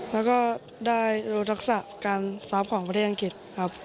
แล้วก็ได้รู้ทักษะการซอฟต์ของประเทศอังกฤษครับ